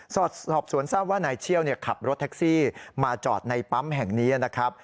สอบสวนทราบว่านายเชี่ยวขับรถแท็กซี่มาจอดในปั๊มแห่งนี้นะครับ